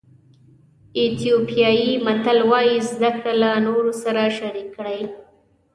ایتیوپیایي متل وایي زده کړه له نورو سره شریک کړئ.